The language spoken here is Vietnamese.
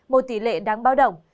một tỷ lệ đáng bao động